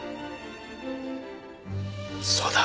そうだ。